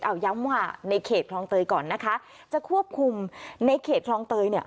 เอาย้ำว่าในเขตคลองเตยก่อนนะคะจะควบคุมในเขตคลองเตยเนี่ย